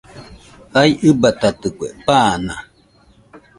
Jae ɨbatatikue, pan naa.